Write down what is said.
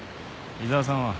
井沢さんは？